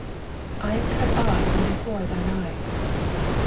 "lam cut off from before thing eyat."